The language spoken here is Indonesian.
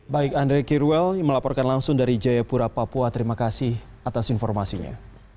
baik andre kirwel melaporkan langsung dari jayapura papua terima kasih atas informasinya